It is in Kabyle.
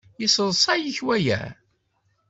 Yesseḍsay-ik waya?